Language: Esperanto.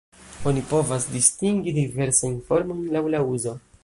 Oni povas distingi diversajn formojn laŭ la uzo.